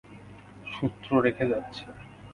সূত্র রেখে যাচ্ছে।